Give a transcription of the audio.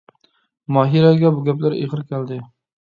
ماھىرەگە بۇ گەپلەر ئېغىر كەلدى.